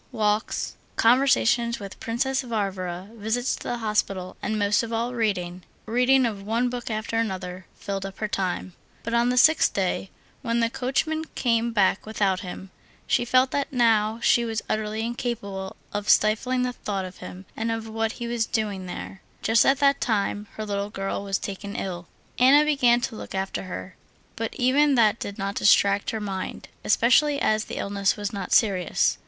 Walks, conversation with Princess Varvara, visits to the hospital, and, most of all, reading—reading of one book after another—filled up her time. But on the sixth day, when the coachman came back without him, she felt that now she was utterly incapable of stifling the thought of him and of what he was doing there, just at that time her little girl was taken ill. Anna began to look after her, but even that did not distract her mind, especially as the illness was not serious.